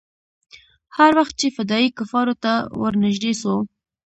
هر وخت چې فدايي کفارو ته ورنژدې سو.